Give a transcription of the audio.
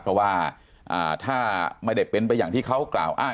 เพราะว่าถ้าไม่ได้เป็นไปอย่างที่เขากล่าวอ้าง